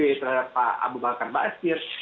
yaitu terhadap pak abu bakar basir